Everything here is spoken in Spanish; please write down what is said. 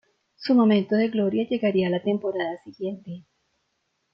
Su momento de gloria llegaría a la temporada siguiente.